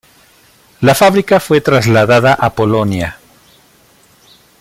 La fabrica fue trasladada a Polonia.